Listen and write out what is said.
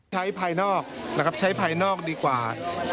ภายนอกนะครับใช้ภายนอกดีกว่า